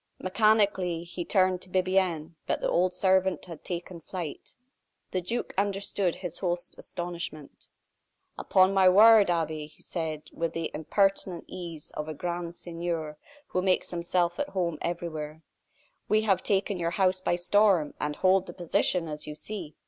Mechanically, he turned to Bibiaine, but the old servant had taken flight. The duke understood his host's astonishment. "Upon my word, Abbe!" he said, with the impertinent ease of a grand seigneur who makes himself at home everywhere, "we have taken your house by storm, and hold the position, as you see.